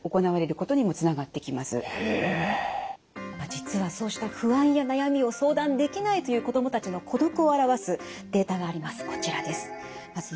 実はそうした不安や悩みを相談できないという子どもたちの孤独を表すデータがあります。